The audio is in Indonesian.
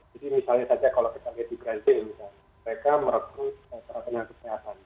jadi misalnya saja kalau kita lihat di branting mereka merekrut teratun yang kesehatan